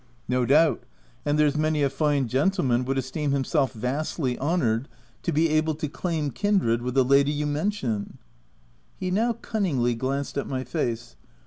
" No doubt, — and there's many a fine gen tleman would esteem himself vastly honoured 302 THE TENANT to be able to claim kindred with the lady you mention." He now cunningly glanced at my face.